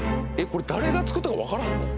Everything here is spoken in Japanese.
誰が造ったか分からんの？